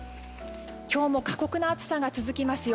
今日も過酷な暑さが続きますよ。